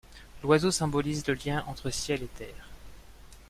L'oiseau symbolise le lien entre Ciel et Terre.